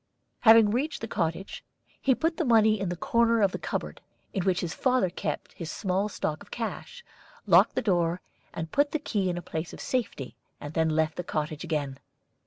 Having reached the cottage, he put the money in a corner of the cupboard in which his father kept his small stock of cash, locked the door, and put the key in a place of safety, and then left the cottage again.